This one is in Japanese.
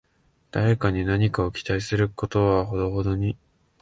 誰かに何かを期待することはほどほどに